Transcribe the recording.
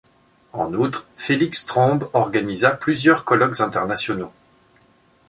En outre, Félix Trombe organisa plusieurs colloques internationaux.